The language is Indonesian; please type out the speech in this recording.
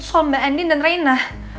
soal mbak endin dan reina